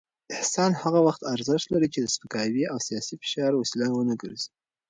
احسان هغه وخت ارزښت لري چې د سپکاوي او سياسي فشار وسیله ونه ګرځي.